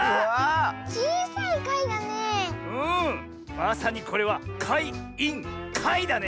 まさにこれはかいインかいだね。